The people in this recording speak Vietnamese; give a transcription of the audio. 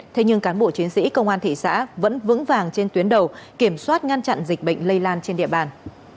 thế nhưng cán bộ chiến sĩ công an thị xã vẫn vững vàng trên tuyến đầu kiểm soát ngăn chặn dịch bệnh lây lan trên địa bàn